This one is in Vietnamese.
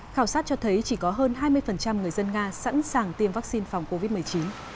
khảo sát cho thấy chỉ có hơn hai mươi người dân nga sẵn sàng tiêm vaccine phòng covid một mươi chín